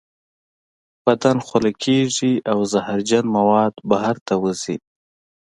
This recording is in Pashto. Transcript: بدن خوله کیږي او زهرجن مواد بهر ته وځي.